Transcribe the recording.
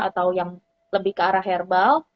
atau yang lebih ke arah herbal